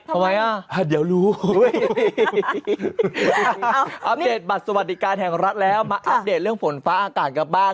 ทำไมอ่ะเดี๋ยวรู้อัปเดตบัตรสวัสดิการแห่งรัฐแล้วมาอัปเดตเรื่องฝนฟ้าอากาศกลับบ้าน